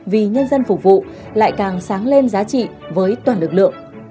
vì nhân dân phục vụ lại càng sáng lên giá trị với toàn lực lượng